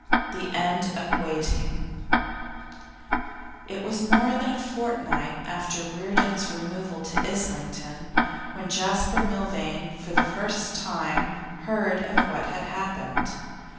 THE END OF WAITING It was more than a fortnight after Reardon's removal to Islington when Jasper Milvain heard for the first time of what had happened.